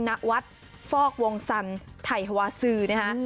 ณวัดฟอกวงศรไถวาซื้อนะคะ